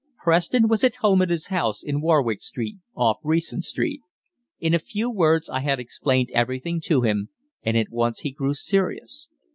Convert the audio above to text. Preston was at home at his house in Warwick Street, off Recent Street. In a few words I had explained everything to him, and at once he grew serious.